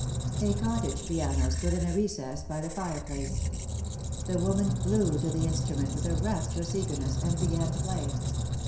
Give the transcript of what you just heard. A cottage piano stood in a recess by the fireplace. The woman flew to the instrument with a rapturous eagerness, and began to play.